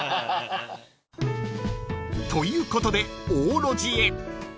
［ということで王ろじへ］